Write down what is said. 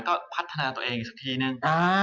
ก็พัฒนาตัวเองอีกสักทีนึง